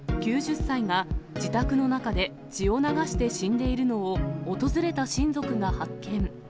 ９０歳が、自宅の中で血を流して死んでいるのを、訪れた親族が発見。